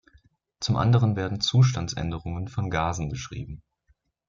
Zum anderen werden Zustandsänderungen von Gasen beschrieben.